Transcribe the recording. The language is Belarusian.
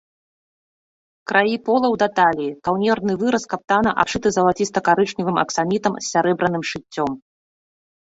Краі полаў да таліі, каўнерны выраз каптана абшыты залацістакарычневым аксамітам з сярэбраным шыццём.